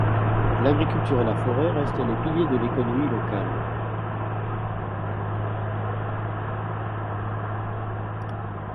L'agriculture et la forêt restent les piliers de l'économie locale.